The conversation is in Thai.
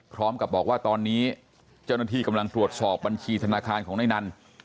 พร้อมกับบอกว่าตอนนี้เจ้าหน้าที่กำลังตรวจสอบบัญชีธนาคารของนายนัน